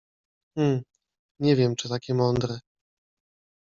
- Hm, nie wiem czy takie mądre....